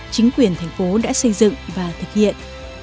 chính quyền thành phố đã xây dựng và thực hiện